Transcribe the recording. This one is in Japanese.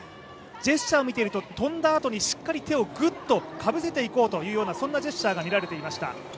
ジェスチャーを見ていると、しっかり手をグッとかぶせていこうという、そんなジェスチャーが見られていました。